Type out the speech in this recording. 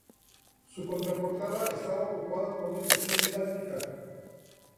Su contraportada estaba ocupada por una sección didáctica.